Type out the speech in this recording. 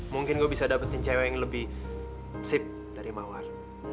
mungkin gue bisa dapetin cewek yang lebih sip dari mawar